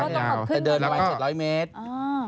ไม่ได้ดำยาวแต่เดินมาอีก๗๐๐เมตรไม่ได้ยากว่าต้องขับขึ้น